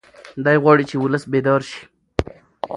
دی غواړي چې ولس بیدار شي.